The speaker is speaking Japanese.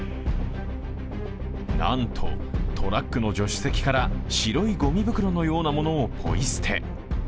なんと、トラックの助手席から白いごみ袋のようなものをポイ捨て。